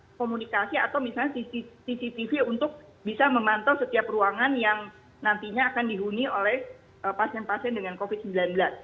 ada komunikasi atau misalnya cctv untuk bisa memantau setiap ruangan yang nantinya akan dihuni oleh pasien pasien dengan covid sembilan belas